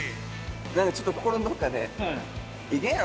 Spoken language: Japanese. なんかちょっと心のどこかで、いけるやろ！